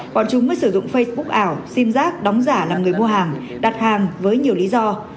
bọn chúng mới sử dụng facebook ảo sim giác đóng giả làm người mua hàng đặt hàng với nhiều lý do